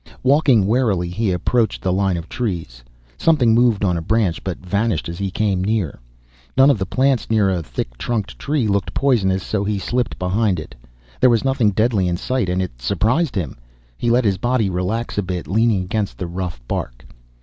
Walking warily he approached the line of trees. Something moved on a branch, but vanished as he came near. None of the plants near a thick trunked tree looked poisonous, so he slipped behind it. There was nothing deadly in sight and it surprised him. He let his body relax a bit, leaning against the rough bark.